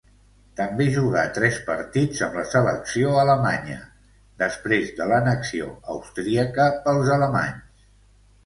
També jugà tres partits amb la selecció alemanya, després de l'annexió austríaca pels alemanys.